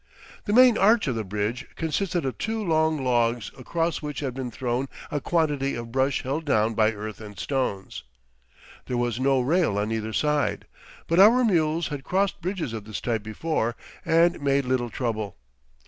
The main arch of the bridge consisted of two long logs across which had been thrown a quantity of brush held down by earth and stones. There was no rail on either side, but our mules had crossed bridges of this type before and made little trouble.